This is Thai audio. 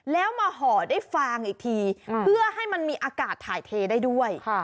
แล้วมาห่อด้วยฟางอีกทีเพื่อให้มันมีอากาศถ่ายเทได้ด้วย